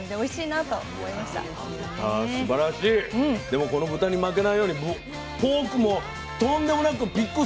でもこの豚に負けないように「ポーク」も「とん」でもなく「ピッグ」